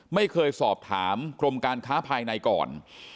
ไม่เคยสอบถามกรมการค้าภายในก่อน